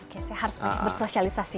oke harus banyak bersosialisasi